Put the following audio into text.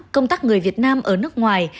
công tác người việt nam ở nước ngoài